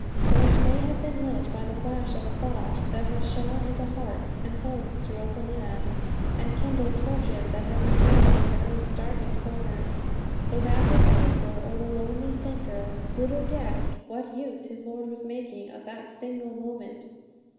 Or it may have been lit by the flash of a thought that has shone into hearts and homes throughout the land, and kindled torches that have been borne into earth's darkest corners. The rapid speaker or the lonely thinker little guessed what use his Lord was making of that single moment.